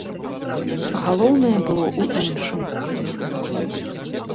Галоўнае было ў іншым.